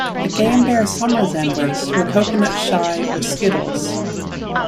The game bears some resemblance to a coconut shy or skittles.